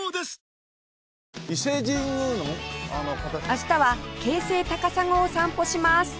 明日は京成高砂を散歩します